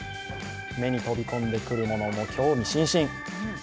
目に飛び込んでくるもの、興味津々